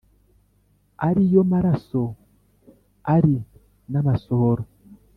Ari yo maraso ari n’amasohoro